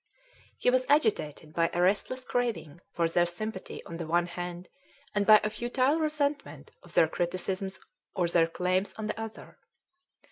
He was agitated by a restless craving for their sympathy on the one hand, and by a futile resentment of their criticisms or their claims on the other.